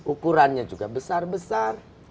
ukurannya juga besar besar